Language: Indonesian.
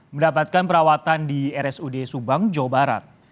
mendapatkan perawatan di rsud subang jawa barat